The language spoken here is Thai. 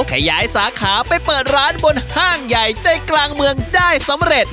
ขยายสาขาไปเปิดร้านบนห้างใหญ่ใจกลางเมืองได้สำเร็จ